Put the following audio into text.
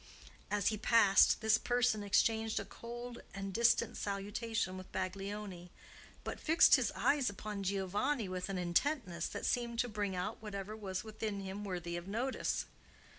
As he passed, this person exchanged a cold and distant salutation with Baglioni, but fixed his eyes upon Giovanni with an intentness that seemed to bring out whatever was within him worthy of notice.